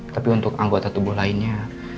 tapi untuk anggota tubuh lainnya